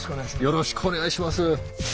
よろしくお願いします。